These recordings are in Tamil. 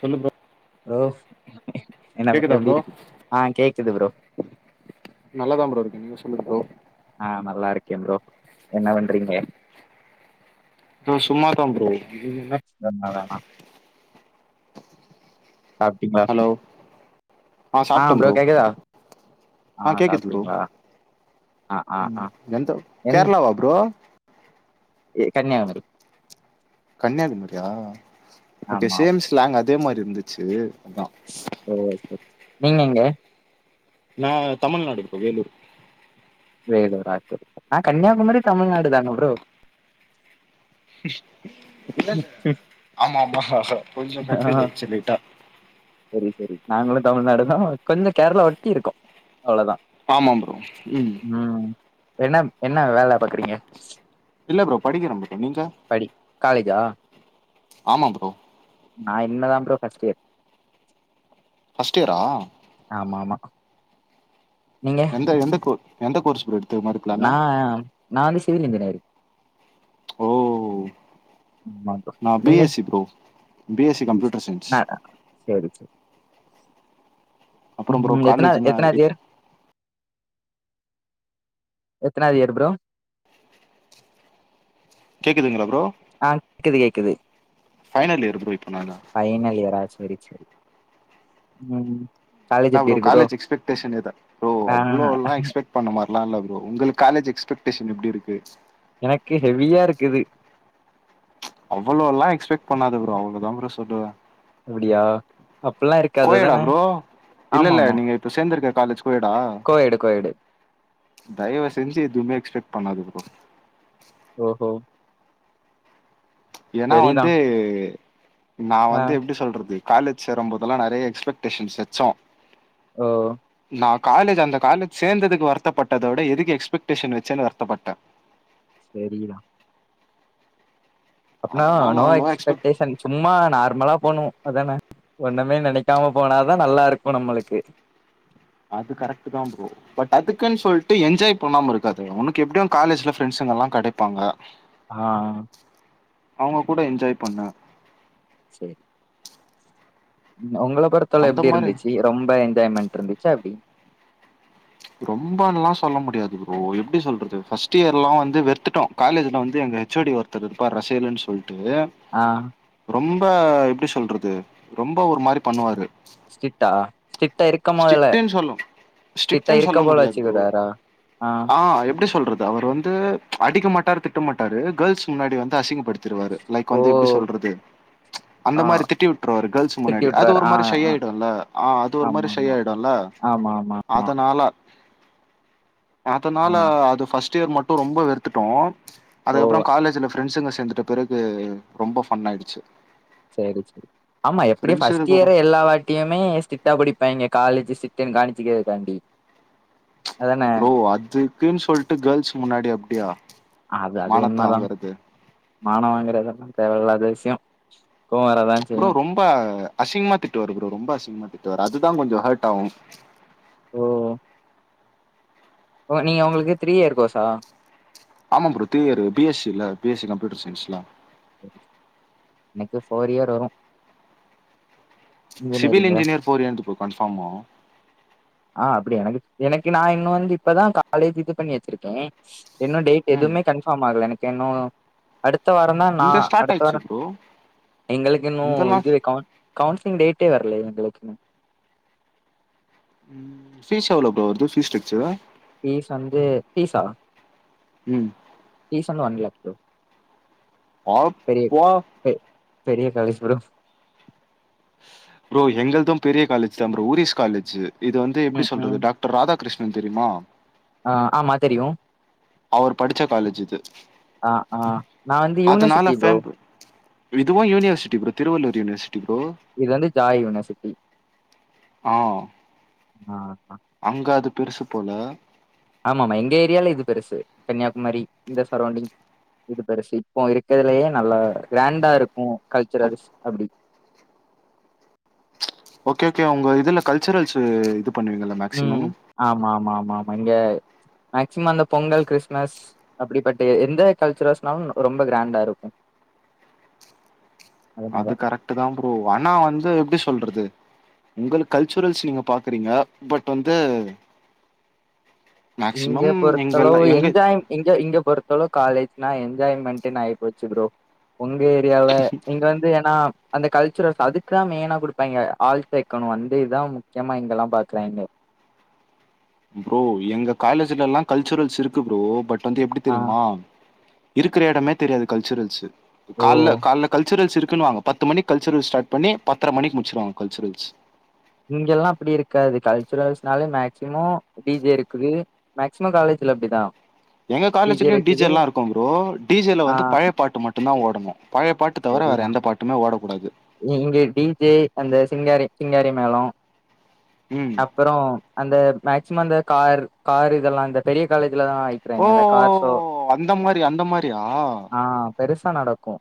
சொல்லுப்பா ரோஸ் கேக்குதா ப்ரோ கேக்குது ப்ரோ நல்லாதா ப்ரோ இருக்கு நீங்க சொல்லுங்க ப்ரோ ஆ நல்லா இருக்கே ப்ரோ என்ன பண்றீங்க ப்ரோ சும்மா தா ப்ரோ [unintelligible] ம் வேணா சாப்ட்டீங்களா ஹலோ ஆ ப்ரோ கேக்குதா ஆ கேக்குது ப்ரோ சாப்டிங்ளா ஆ ஆ ம் ஆ எந்த என் கேரளாவா ப்ரோ ஏ கன்னியாகுமரி கன்னியாகுமரியா ஓகே ஆமா சேம்‌ ஸ்லாங் அதே மாரி இருந்துச்சு அதா ஓ செரி நீங்க எங்க நா தமிழ்நாடு ப்ரோ வேலூர் வேலூரா [inaudible] நா கன்னியாகுமரி தமிழ்நாடு தான ப்ரோ இல்ல இல்ல ஆமா ஆமா கொஞ்சோ ஆ கன்ஃபியூஸ்டு ஆயிடுச்சு லைட்டா சரி சரி நாங்களு தமிழ்நாடு தா கொஞ்சோ கேரளா ஒட்டி இருக்கோ அவ்ளோதா ஆமாம் ப்ரோ ம் ம் என்னம் என்னா வேல பாக்குறீங்க இல்ல ப்ரோ படிக்கிறே ப்ரோ நீங்க படி காலேஜா ஆமாம் ப்ரோ நா இனிமேதா ப்ரோ ஃபர்ஸ்ட் இயர் ஃபர்ஸ்ட் இயர்ரா ஆமா ஆமா நீங்க எந்த எந்த கோ எந்த கோர்ஸ் ப்ரோ எடுத் நா நா வந்து சிவில் இன்ஜினியரிங் ஓ ஆமா ப்ரோ நா பி நீங்க S C bro B S C computer science செரி செரி அப்புறம் ப்ரோ ம் எத்தனாத் காலேஜ்னா எத்தனாது இயர் எத்தனாது இயர் ப்ரோ கேக்குதுங்ளா ப்ரோ ஆ க்குது கேக்குது ஃபைனல் இயர் ப்ரோ இப்ப நானு ஃபைனல் இயரா சரி சரி ம் காலேஜ் என்ன எப்டி ப்ரோ இருக்கு காலேஜ் எக்ஸ்பெக்டேஷன் எத ப்ரோ ஆ அவ்ளோல்லா எக்ஸ்பெக்ட் இப்ப அந்த மார்லா இல்ல ப்ரோ உங்களுக்கு காலேஜ் எக்ஸ்பெக்டேஷன் எப்டி இருக்கு எனக்கு ஹெவியா இருக்குது ம்ச் அவ்வளோலா எக்ஸ்பெக்ட் பண்ணாத ப்ரோ அவ்ளோதா ப்ரோ சொல்லுவ அப்படியா அப்பல்லா இருக் கோ எட் ஆ ப்ரோ இல்ல இல்ல நீங்க இப்ப சேந்திருக்க காலேஜ் கோ எட் ஆ கோயடு கோயடு தயவு செஞ்சு எதுவுமே எக்ஸ்பெக்ட் பண்ணாத ப்ரோ ஓஹோ ஏன்னா செரிதா வந்து நா ஆ வந்து எப்டி சொல்றது காலேஜ் சேரும்போதெல்லா நறைய எக்ஸ்பெக்டேஷன்ஸ் வச்சோ ஓ நா காலேஜ் அந்த காலேஜ் சேந்ததுக்கு வருத்தப்பட்டதோட எதுக்கு எக்ஸ்பெக்டேஷன் வச்சேன்னு வருத்தப்பட்டே செரிதா அப்பனா அதனால நோ அவ்ளோவா எக்ஸ்பெக்ட் எக்ஸ்பெக்டேஷன் சும்மா நார்மலா போனு அதானே ஒண்ணுமே நெனைக்காம போனாதா நல்லாருக்கு நம்மளுக்கு அது கரெக்ட்டு தா ப்ரோ பட் அதுக்குன்னு சொல்லிட்டு என்ஜாய் பண்ணாம இருக்காதிங்க உனக்கு எப்டியு காலேஜ்ல ஃப்ரெண்ட்ஸுங்க எல்லா கெடப்பாங்க ஆ அவுங்க கூட என்ஜாய் பண்ணு செரி உங்கள பொறுத்தல அந்த எப்டி மாரி இருந்துச்சு ரொம்ப என்ஜாய்மென்ட் இருந்துச்சா எப்டி ரொம்பல்லா சொல்ல முடியாது ப்ரோ எப்டி சொல்றது ஃபர்ட் இயர்ல்லா வந்து வெறுத்துட்டோ காலேஜ்ல வந்து எங்க ஹச் ஓ டி ஒருத்தர் இருப்பா ரசீலுன் சொல்லிட்டு ஆ ரொம்ப எப்டி சொல்றது ரொம்ப ஒரு மாரி பண்ணுவாரு ஸ்ட்ரிக்டா ஸ்டிட்டா இருக்கம் மொதல ஸ்ட்ரிக்ட்ன்னு சொல்லு ஸ்ட்ரிக்ட்ன்னு சொல்ல முடியாது ப்ரோ ஆ எப்டி சொல்றது அவர் வந் து அடிக்க மாட்டாரு திட்ட மாட்டாரு கேர்ள்ஸ் முன்னாடி வந்து அசிங்கப்படுத் திருவாரு லைக் ஓ வந்து எப்டி சொல்றது அந்த ஆ மாரி திட்டி விட்ருவாரு கேர்ள்ஸ் திட்டி முன்னாடி அது விட்டுறாரு ஒரு ஆ மாரி ஷய் ஆ ஆயிடும்ல ஆ அது ஒரு ஆமா மாரி ஷய் ஆமா ஆயிடுல்ல ஆமா ஆமா அதனால ஆ அதனால அது ஃபஸ்ட் இயர் மட்டும் ரொம்ப வெறுத்துட்டோ ஓ அதுக்கப்புற காலேஜ்ல ஃப்ரெண்ட்ஸுங்க சேர்ந்துட்ட பிறகு ரொம்ப ஃபன் ஆயிடுச்சு சேரி சே ஆமா எப்டியு ஃப்ரெண்ட்ஸ் ஃபஸ்ட் இருக்கறோ இயரே எல்லா வா த்தியுமே ஷ்ட்ரிக்ட்டா புடிப்பாங்க காலேஜ் ஷ்ட்ரிக்டுன்னு காமிச்சுக்கிறதுக்காண்டி அதானே ப்ரோ அதுக்குன்னு சொல்லிட்டு கேர்ள்ஸ் முன்னாடி அப்டியா அது அது மானத்த உண்ம தா வாங்கறது மானம் வாங்குறதெல்லா தேவையில்லாத விசியம் கோவ வரதா ப்ரோ செய்யு ரொம்ப அசிங்கமா திட்டுவாரு ப்ரோ ரொம்ப அசிங்கமா திட்டுவார் அதுதா கொஞ்ச ஹர்ட் ஆகு ஓ ஒ நீங்க உங்களுக்கு த்ரீ இயர் கோர்ஸ் ஆ ஆமா bro three year B SC இல்ல பி எஸ்சி கம்யூட்டர் சயின்ஸ்ல நெக்ஸ்ட் ஃபோர் இயர் வரு சிவில் இன்ஜினியரிங்ல இன்ஜினியர் ஃபோர் இயந்து ப்ரோ கன்ஃபார்மா ஆ அப்டியா எனக்கு எனக்கு நா இன்னு வந்து இப்பதா காலேஜ் இது பண்ணி வச்சிருக்கே இன்னு டேட் ம் எதுவுமே கன்ஃபார்ம் ஆகல எனக்கு இன்னு அடுத்த வாரந்தா நா இங்க ஸ்டார்ட் அடுத்த வார ஆயிடுச்சு ப்ரோ எங்களுக்கு இன்னு இங்கெல்லா இது கவுன் கவுன்சிலிங் டேட்டே வர்லயே எங்களுக்கு ம் பீஸ் எவ்ளோ ப்ரோ வருது பீஸ் ஸ்ட்ரக்சரு பீஸ் வந்து பீஸா ம் பீஸ் வந்து ஒன் லேக் ப்ரோ பெரிய அப்பா பெ பெரிய காலேஜ் ப்ரோ ப்ரோ எங்கள்து பெரிய காலேஜ் தா ப்ரோ உரிஸ் காலேஜ் இது வந்து எப்டி ம் ம் சொல்றது டாக் டர் ராதாகிருஷ்ணன் தெரியுமா ஆ ஆமா தெரியு அவர் படிச்ச காலேஜ் இது ஆ ஆ நா வந்து அதனால யூனிவர்சிட்டி ப்ரோ ஃபேம்ப இதுவு university bro Thiruvallur university bro இது வந்து ஜாயி யூனிவர்சிட்டி ஆ ஆ அங்க அது பெருசு போல ஆமாமா எங்க ஏரியால இது பெருசு கன்னியாகுமரி இந்த சரௌண்டிங் இது பெருசு இப்போ இருக்கதுலயே நல்லா கிராண்டா இருக்கும் கல்ச்சுரல்ஸ் அப்டி ஓகே ஓகே உங்க இதுல கல்ச்சுரல்ஸ்ஸு இது பண்ணுவீங்களா ம் ஆமா ஆமா ஆமா ஆமா இங்க மேக்சிமம் அந்த பொங்கல் கிறிஸ்மஸ் அப்படிப்பட்ட எந்த கல்ச்சரஸ்னாலு ரொம்ப கிராண்டா இருக்கு அதனால அது கரெக்ட்தா ப்ரோ ஆனா வந்து எப்டி சொல்றது உங்களுக்கு கல்ச்சுரல்ஸ் நீங்க பாக்குறீங்க பட் வந்து இங்க மேக்சிமம் எங்கல்ல பொருத்தளவு எங்க என்ஜாய் இங்க இங்க பொருத் இப்போ உள்ள காலேஜ்னா என்ஜாய்மெண்ட்ன்னு ஆயி போச்சு ப்ரோ உங்க ஏரியால இங்க வந் து ஏன்னா அந்த கல்ச்சுரல்ஸ் அதுக்கு தா மெய்னா குடுப்பாங்க ஆள் சேக்கணு அந்த இதா மு க்கியமா இங்கெல்லா பாக்குறாய்ங்க ப்ரோ எங்க காலேஜ்ஜுல எல்லா கல்ச்சுரல்ஸ் இருக்கு ப்ரோ பட் வந்து எப்டி ஆ தெரிமா இருக்குற எடமே தெரியாது கல்ச்சுரல்ஸ்ஸு ஓ கால்ல கால்ல கல்ச்சுரல்ஸ் இருக்குன்னுவாங்க பத்து மணிக் கல்ச்சுரல்ஸ் ஸ்டார்ட் பண்ணி பத்தர மணிக் முடிச்சுடுவாங்க கல்ச்சுரல்ஸ் இங்கெல்லா அப்பிடி இருக்காது கல்ச்சுரல்ஸ்னாலே மேக்சிமம் டி ஜே இருக்குது மேக்சிமம் காலேஜ்ல அப்டி தா எங்க காலேஜ்லையு டி ஜேலா இருக்கு ப்ரோ டி ஜேல ஆ வந்து பழைய பாட்டு மட்டுந்தா ஓடணு பழையப் பாட்டு டு தவர வேற சரிதா எந்த பாட்டுமே ஓடக்கூடாது இங்க டி ஜே அந்த சிங்காரி சிங்காரி மேள அப் ம் அப்பறோ அந்த மேக்சிமம் அந்த கார் கார் இதெல்லா இந்த பெரிய காலேஜ்லதாய் ஓ அந்த மாரி அந்த மாரியா ஆ பெருசா நடக்கு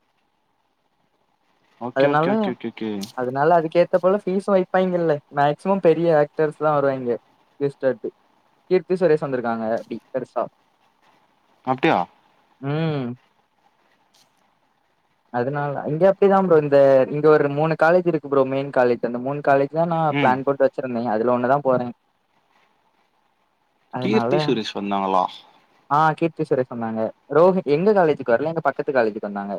ஓகே ஓகே அதனாலு அது ஓகே ஓகே ஓகே அதனால அதுக்கேத்த போல பீஸு வைப்பாங்கல்ல மேக்சிமம் பெரிய ஆக்டர்ஸ்லா வராய்ங்க கெஸ்ட்டாட்டு கீர்த்தி சுரேஷ் வந்துருக்காங்க அப்படி பெருசா அப்டியா ம் அதனால இங்க அப்படிதா ப்ரோ இந்த இங்க ஒரு மூணு காலேஜ் இருக்கு ப்ரோ மெயின் காலேஜ் அந்த மூணு காலேஜ் இதா நா ம் பிளான் போட்டு வெச்சிருந்தே அதுல ஒண்ணு தா போறே அதனால கீர்த்தி சுரேஷ் வந்தாங்களா ஆ கீர்த்தி சுரேஷ் வந்தாங்க ப்ரோ எங்க காலேஜ்ஜுக்கு வரல எங்க பக்கத்து காலேஜ்ஜுக்கு வந்தாங்க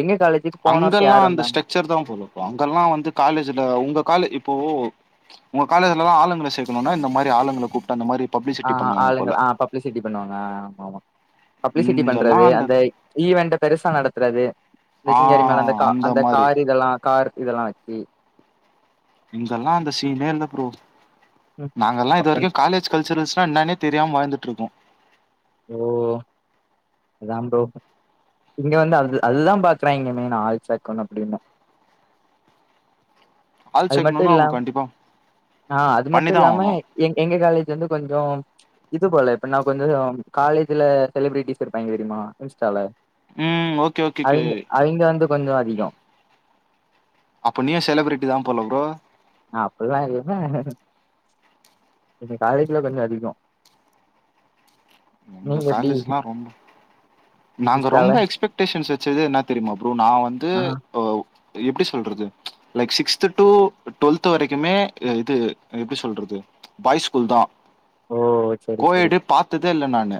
எங்க காலேஜ்ஜு அங்கெல்லா அந்த ஸ்ட்ரக்சர் தா போல இப்போ அங்கெல்லா வந்து காலேஜ்ஜுல உங்க கால் இப்போ உங்க காலேஜ்ஜுல ஆளுங்கள சேக்கணுனா இந்த மாரி ஆளுங்கள கூப்ட்டு அந்த மாரி ஆ பப்ளிசிட்டி பண்ணுவாங்க ஆளுங்கள போல ஆ பப்ளிசிட்டி பண்ணுவாங்க அ ஆமா மா பப்ளிசிட்டி பண்றது அந்த ஈவென்ட்ட பெருசா நடத்துறது இந்த ஆ சிங்கரி மேல அந்த கா அந்த கார் இதெல்லா கார் இதெல்லா வெச்சு இங்கெல்லா அந்த சீனே இல்ல பரோ ம் நாங்கெல்லா இது அப்பன் வரைக்கு காலேஜ் கல்ச்சுரல்ஸ்னா என்னானே தெரியாம வாழ்ந்துட்ருக்கோ ஓ அதான் ப்ரோ இங்க வந்து அது அது தா பாக்குறாய்ங்க மெய்ன்னா ஆள் சேக்கனு அப்டின்னு ஆள் அது மட்டு சேக்கணுனா இல்லா அவங்க கண்டிப்பா ஆ அது மட்டு பண்ணிதா இல்லாம ஆவணு எ எங்க காலேஜ் வந்து கொஞ்சோ இது போல இப்ப நா கொஞ்சோ காலேஜ்ல செலிப்ரிட்டிஸ் இருப்பாய்ங்க தெரியுமா இன்ஸ்டால ம் ஓகே ஓகே கே அவிங்க அவிங்க வந்து கொஞ்சோ அதிகோ அப்போ நியூ செலிப்ரிட்டிதா போல ப்ரோ அப்டிலா இல்ல எங்க காலேஜ்ல கொஞ்சோ அதிகோ எங்க நீங்க எப்டி காலேஜ்லா ரொம் நாங்க இன்ஸ்டால ரொம்ப எக்ஸ்படேஷன்ஸ் வெச்சது என்னா தெரிமா ப்ரோ நா வந்து ஆ இப்போ எப்டி சொல்றது லைக் சிக்ஸ்த் டு டுவெல்த் வரைக்குமே இல்ல இது எப்டி சொல்றது பாய் ஸ்கூல் தா ஓ செரி செரி கோயட்டு பாத்ததே இல்ல நானு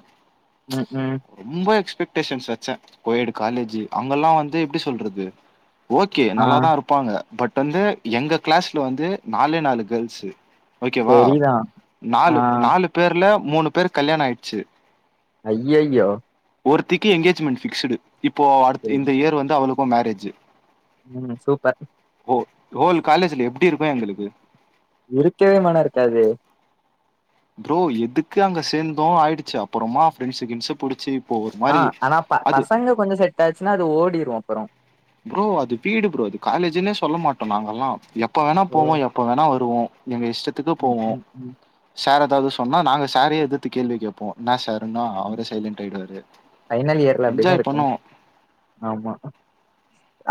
ம் ம் ரொம்ப எக்ஸ்ப்படேஷன்ஸ் வெச்சே கோயட்டு காலேஜ்ஜு அங்கல்லா வந்து எப்டி சொல்றது ஓகே ஆ நல்லா தா இருப்பாங்க பட் வந்து எங்க கிளாஸ்ல வந்து நாலே நாலு கேர்ல்ஸ்ஸு ஓகே வா செரிதா ஆ நாலு நாலு பேர்ல மூணு பேருக் கல்யாணோ ஆய்டுச்சு அய்யய்யோ ஒருத்திக்கு எங்கேஜ்மெண்ட் பிக்ஸ்டு இப்போ அடுத் செரி இந்த இயர் வந்து அவளுக்கும் மேரேஜ்ஜு ம் சூப்பர் ஹோ ஹோல் காலேஜ்ல எப்டி இருக்கு எங்களுக்கு இருக்கவே மன இருக்காது ப்ரோ எதுக்கு அங்க சேந்தோ ஆயிடுச்சு அப்பறமா ப்ரெண்ட்ஸ் கின்ஸ்சு புடிச்சி ஆ ஆனா ப பசங்க கொஞ்ச செட் ஆச்சுன்னா அது ஓடிரு அப்பற ப்ரோ அது வீடு ப்ரோ அது காலேஜ்ன்னே சொல்ல மாட்டோ நாங்கெல்லா எப்ப வேணா ஓ போவோ எப் எப்போ வேணா வருவோ எங்க இஷ்டத்துக்கு ம் போவோ ம் ம் சார் ஏதாவது சொன்னா நாங்க சாரே எதித்து கேள்வி கேப்போ என்னா சார் சொன்னா அவரே சைலண்ட் ஆயிடுவாரு ஃபைனல் இயர்ல அப்டிதா என்ஜாய் இருக்கு பண்ணுவோ ஆமா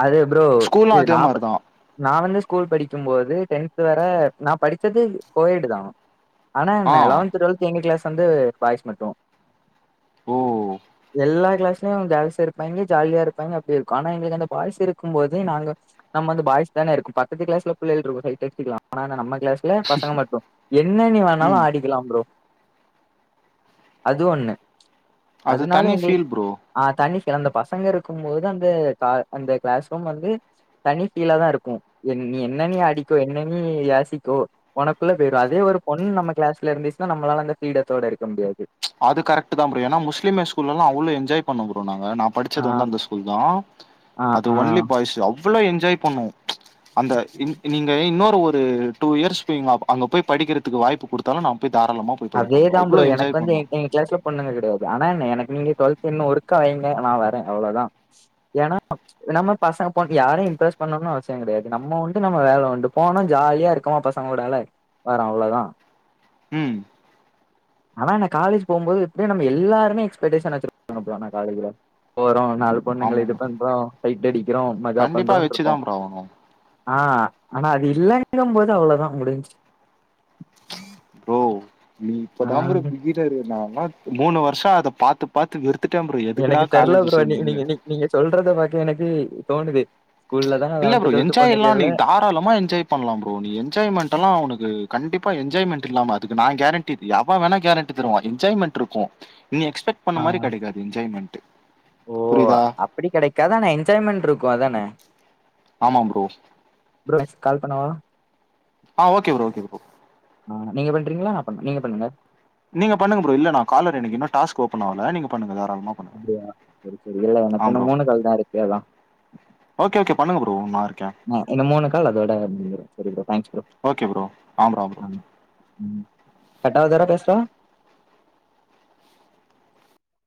அது ப்ரோ ஸ்கூல்லு இது அதே நாப்ப மாரிதா நா வந்து ஸ்கூல் படிக்கும் போது டென்த் வர நா படிச்சது கோயேடுதா ஆனா ஆ என்ன லெவன்த் டுவெல்த் எங்க க்ளாஸ் வந்து பாய்ஸ் மட்டு ஓ எல்லா க்ளாஸ்லயு கேல்ஸ் இருப்பாய்ங்க ஜாலியா இருப்பாய்ங்க அப்டி இருக்கு ஆனா எங்களுக்கு அந்த பாய்ஸ் இருக்கும் போது நாங்க நம்ம வந்து பாய்ஸ் தானா இருக்கு பக்கத்து க்ளாஸ்ல புள்ளைக இருக்கு ஆனா நம்ம க்ளாஸ் இல்ல பசங்க மட்டு என்ன நீ வேணாலு ம் ஆடிக்கலா ப்ரோ அது ஒண்ணு அது அதனால தனி எங்களு ஃபீல் ப்ரோ ஆ தனி சிறந்த பசங்க இருக்கும் போது அந்த க அந்த க்ளாஸ் ரூம் வந்து தனி ஃபீலா தா இருக்கு என் நீ என்னன் நீ ஆடிக்கோ என்னன் நீ யாசிக்கோ ஒனக்குள்ள போயிடு அதே ஒரு பொண்ணு நம்ம க்ளாஸ்ல இருந்துச்சுன்னா நம்மளால அந்த ஃப்ரீடத்தோட இருக்க முடியாது அது கரெக்ட்டு தா ப்ரோ ஏன்னா முஸ்லீம் ஹை ஸ்கூல்லல்லா அவ்ளோ என்ஜாய் பண்ணோ ப்ரோ நாங்க ஆ படிச்சது வந்து அந்த ஸ்கூல் தா ஆ அது ஆ ஒன்லி பாய்ஸ்ஸு அவ்ளோ என்ஜாய் பண்ணுவோ அந்த இன் நீங்க இன்னொரு ஒரு டூ இயர்ஸ் போய் ங்க அங்க போய் படிக்கிறதுக்கு வாய்ப்பு குடுத் தாலு நா போய் தாராளமா போய் படிப்பே அதேதா அவ்ளோ ப்ரோ எனக்கு என்ஜாய் வந்து பண்ணுவோ எங்க க்ளஸ்ல பொண்ணுங்க கெடையாது ஆனா எனக்கு நீங்க டுவெல்த் இன்ன ஒர்காகுவீங்க நா வரே அவ்வளோதா ஏனா நம்ம பசங்க பொ யாரு இன்ட்ரெஸ்ட் பண்ணணு அவசிய கெடையாது நம்ம உண்டு நம்ம வேல உண்டு போனா ஜாலியா இருக்கோமா பச ங்களோடால வரு அவ்ளோதா ம் ஆனா ந காலேஜ் போம்போது எப்டியு நம்ம எல்லாருமே எக்ஸ்பக்டேஷன் வச்சிருப்பாங்க ப்ரோ ஆனா காலேஜ்ல போறோ நா பொண்ணுங்கள ஆமா இது ப்ரோ பண்றோ சைட் அடிக்கிறோ மஜா கண்டிப்பா பண்றோ இருக்கோ வச்சுதா ப்ரோ ஆகணு ஆ ஆனா அது இல்லங்கும் போது அவ்வளோதா முடிஞ்சு ப்ரோ நீ ஆ இப்பதா ப்ரோ இப்டி நிக்கிறாரு நாளா மூணு வருச அத பாத்து பாத்து வெறுத்துட்ட ப்ரோ எதுக்குடா எனக்கு தெர்ல காலேஜ் ப்ரோ நீ சேந்தன்னு நீங்க நீ நீங்க சொல்றத பாக்க எனக்கு தோணுது ஸ்கூல்ல தா லெவன்த் டுவல்த் பண்ணுகல்ல டல்லமா என்ஜாய் பண்லா ப்ரோ நீ என்ஜாய்மெண்ட் எல்லா உனக்கு கண்டிப்பா என்ஜாய்மெண்ட் இல்லாம அதுக்கு நா கேரண்டி டி எவ வேணா கேரண்டி தருவா என்ஜாய்மெண்ட் இருக்கு ம் எக்ஸ்பெக்ட் பண்ண ஆ மாரி கிடைக்காது என்ஜாய்மெண்ட் ஓ புரிதா அப்டி கிடைக்காது ஆனா என்ஜாய்மெண்ட் இருக்கு அதான ஆமா ப்ரோ ப்ரோ கால் பண்ணவா ஆ ஓகே ப்ரோ ஓகே ஆ நீங்க பண்றீங்களா நா பன் நீங்க பண்ணுங்க நீங்க பண்ணுங்க ப்ரோ இல்ல நா காலர் எனக்கு இன்னு டாஸ்க் ஓப்பன் ஆவல நீங்க பண்ணுங்க தாராளமா பண்ணுங்க அப்படியா சரி சரி இல்ல ஆ எனக்கு ப்ரோ இன்னும் மூணு கால் தா இருக்கு அதா ஓகே ஓகே பண்ணுங்க ப்ரோ நா இருக்கே ந இந்த மூணு கால் அதோட முடிஞ்சிடு சரி ப்ரோ தேங்க்ஸ் ப்ரோ [unintelligible] [unintelligible] ம் கட்டாவதுர பேசுற